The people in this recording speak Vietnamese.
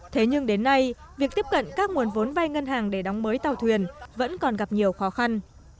thế nhưng đến nay việc tiếp cận các nguồn vốn vai ngân hàng để đóng mới tàu thuyền vẫn còn gặp nhiều khó khăn